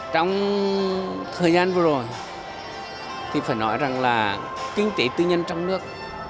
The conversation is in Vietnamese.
trong thời gian vừa rồi thì phải nói rằng là kinh tế tư nhân trong nước